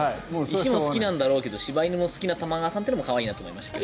石も好きなんだろうけど柴犬も好きな玉川さんも可愛いなと思いましたね。